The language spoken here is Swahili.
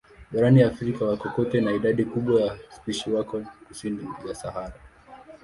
Barani Afrika wako kote na idadi kubwa ya spishi wako kusini ya Sahara.